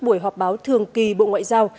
buổi họp báo thường kỳ bộ ngoại giao